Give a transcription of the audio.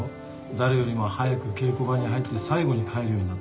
誰よりも早く稽古場に入って最後に帰るようになったって。